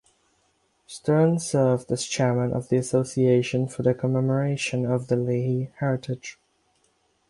Stern served as chairman of the Association for the Commemoration of the Lehi Heritage.